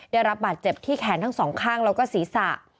ได้รับบาดเจ็บที่แขนทั้งสองข้างแล้วก็ศีรษะ